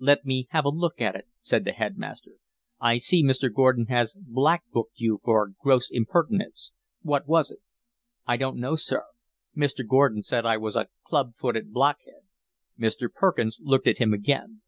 "Let me have a look at it," said the headmaster. "I see Mr. Gordon has black booked you for 'gross impertinence.' What was it?" "I don't know, sir. Mr. Gordon said I was a club footed blockhead." Mr. Perkins looked at him again.